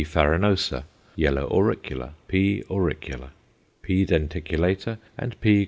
farinosa_), yellow auricula (P. auricula), P. denticulata, and _P.